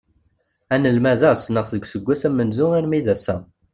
Anelmad-a ssneɣ-t deg uesggas amenzu alammi d ass-a.